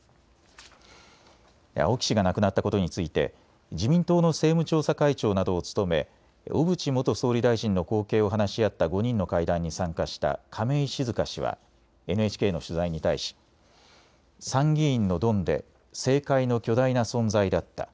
青木氏が亡くなったことについて自民党の政務調査会長などを務め小渕元総理大臣の後継を話し合った５人の会談に参加した亀井静香氏はＮＨＫの取材に対し参議院のドンで政界の巨大な存在だった。